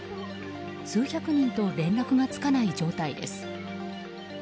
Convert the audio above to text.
数百人と連絡がつかない状態です。